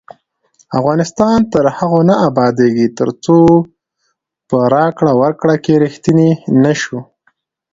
افغانستان تر هغو نه ابادیږي، ترڅو په راکړه ورکړه کې ریښتیني نشو.